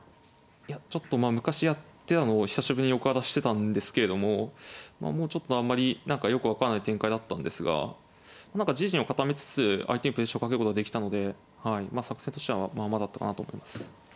いやちょっとまあ昔やってたのを久しぶりにお蔵出ししてたんですけれどもまあもうちょっとあんまり何かよく分からない展開だったんですが何か自陣を固めつつ相手にプレッシャーをかけることができたのではいまあ作戦としてはまあまあだったかなと思います。